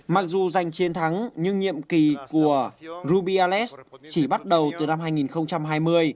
mặc dù giành chiến thắng nhưng nhiệm kỳ của rubyales chỉ bắt đầu từ năm hai nghìn hai mươi